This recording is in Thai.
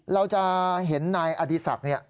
เราจะเห็นนายอดีศักดิ์